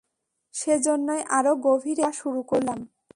সেজন্যই আরো গভীরে খোঁড়া শুরু করলাম।